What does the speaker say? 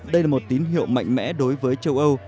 đây là một tín hiệu mạnh mẽ đối với châu âu